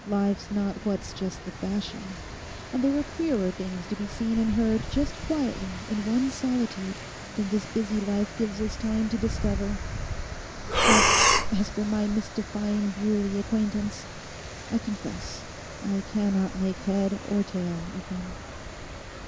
Life's not what's just the fashion. And there are queerer things to be seen and heard just quietly in one's solitude than this busy life gives us time to discover. But as for my mystifying Bewley acquaintance—I confess I cannot make head or tail of him.